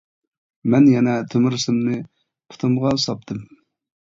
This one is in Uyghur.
مەن يەنە تۆمۈر سىمنى پۇتۇمغا ساپتىم.